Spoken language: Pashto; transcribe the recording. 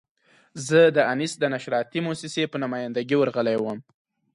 زه د انیس د نشراتي مؤسسې په نماینده ګي ورغلی وم.